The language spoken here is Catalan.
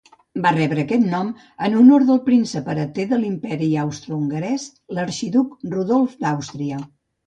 Va rebre aquest nom en honor del príncep hereter de l'Imperi austrohongarès, l'arxiduc Rodolf d'Àustria.